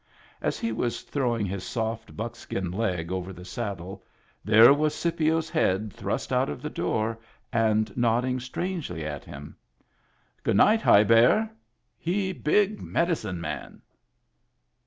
As he was throwing his soft buckskin leg over the saddle, there was Scipio's head thrust out of the door and nodding strangely at him. "Good night. High Bear. He big medicine man."